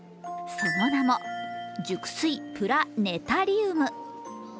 その名も熟睡プラ寝たリウム。